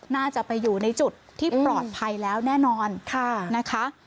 น่าจะไปอยู่ในจุดที่ปลอดภัยแล้วแน่นอนนะคะ